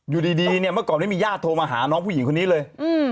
อยู่ดีเนี่ยเมื่อก่อนไม่มีญาติโทรมาหาน้องผู้หญิงคนนี้เลย